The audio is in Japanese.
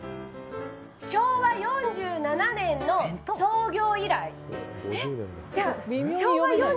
昭和４７年の創業以来。